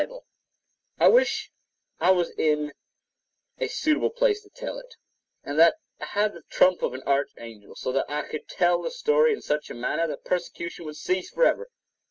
Power of the Father and the Son[edit] I wish I was in a suitable place to tell it, and that I had the trump of an archangel, so that I could tell the story in such a manner that persecution would cease for ever.